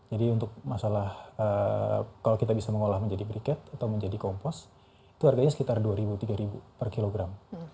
jadi untuk masalah kalau kita bisa mengolah menjadi briket atau menjadi kompos itu harganya sekitar dua ribu tiga ribu per kilogram